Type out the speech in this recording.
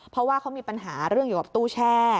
เพราะว่าเขามีปัญหาเรื่องเกี่ยวกับตู้แช่